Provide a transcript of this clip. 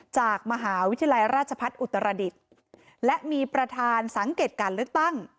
จากมหาวิทยาลัยราชพัฒน์อุตรดิษฐ์และมีประธานสังเกตการเลือกตั้ง